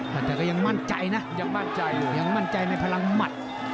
แต่ก็ยังมั่นใจนะยังมั่นใจในพลังมัด